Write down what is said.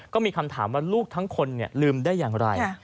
ก็มีคำถามว่าลูกทั้งคนลืมได้อย่างไร